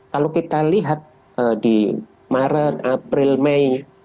kalau kita lihat di maret april mei